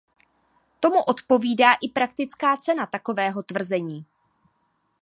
Tomu odpovídá i praktická cena takového tvrzení.